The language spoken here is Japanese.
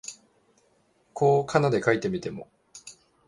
こう仮名で書いてみても、